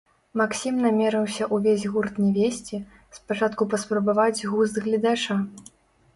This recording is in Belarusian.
Максім намерыўся ўвесь гурт не весці, спачатку паспрабаваць густ гледача.